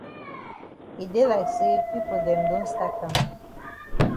E dey like say pipo dem don stat kam.